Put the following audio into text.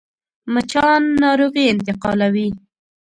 مچان ناروغي انتقالوي